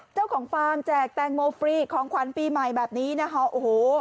ฟาร์มแจกแตงโมฟรีของขวัญปีใหม่แบบนี้นะคะโอ้โห